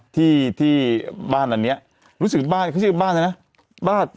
ที่บ้านอันเนี่ยรู้สึกบ้านเขาชื่อบ้านใช่ไหมนะ